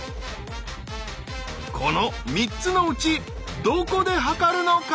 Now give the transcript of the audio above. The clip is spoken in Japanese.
この３つのうちどこで測るのか？